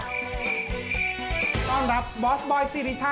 ร้องรับบอสบอยสิริไทยค่ะ